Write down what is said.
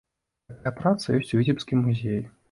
Такая праца ёсць у віцебскім музеі.